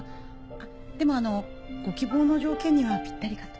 あっでもあのうご希望の条件にはぴったりかと。